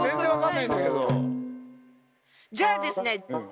じゃあですね